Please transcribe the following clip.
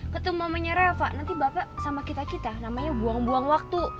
ketemu mamanya rafa nanti bapak sama kita kita namanya buang buang waktu